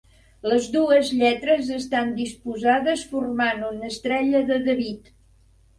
Les dues lletres estan disposades formant una Estrella de David.